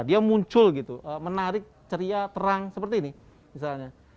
dia muncul gitu menarik ceria terang seperti ini misalnya